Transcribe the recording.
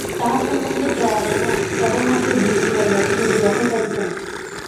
তাঁহার সম্বন্ধে জরা যেন কেবলমাত্র ডিক্রি পাইয়াছে, কিন্তু দখল পাইতেছে না।